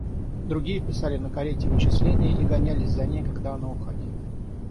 Другие писали на карете вычисления и гонялись за ней, когда она уходила.